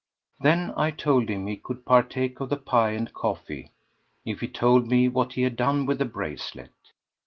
Then I told him he could partake of the pie and coffee if he told me what he had done with the bracelet.